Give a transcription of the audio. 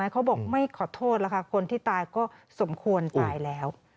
เขาบอกไม่ขอโทษแล้วค่ะคนที่ตายก็สมควรตายแล้ว